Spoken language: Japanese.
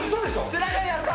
背中にあった。